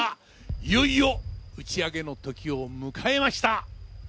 いよいよ打ち上げのときを迎えました。